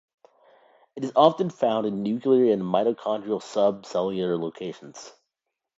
It is often found in nuclear and mitochondrial sub cellular locations.